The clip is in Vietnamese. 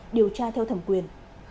điều tra theo thẩm quyền